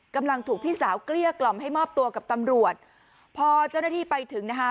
กำลังถูกพี่สาวเกลี้ยกล่อมให้มอบตัวกับตำรวจพอเจ้าหน้าที่ไปถึงนะคะ